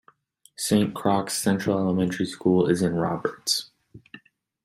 Saint Croix Central Elementary School is in Roberts.